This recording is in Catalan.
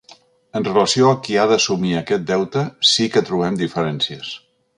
En relació a qui ha d’assumir aquest deute sí que trobem diferències.